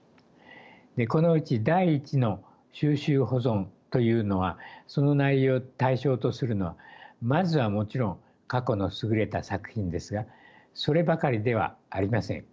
このうち第一の収集保存というのはその対象とするのはまずはもちろん過去の優れた作品ですがそればかりではありません。